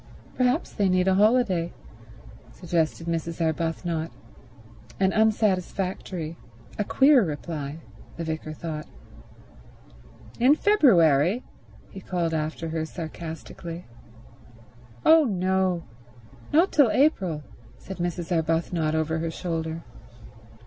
"Perhaps they need a holiday," suggested Mrs. Arbuthnot; an unsatisfactory, a queer reply, the vicar thought. "In February?" he called after her sarcastically. "Oh no—not till April," said Mrs. Arbuthnot over her shoulder.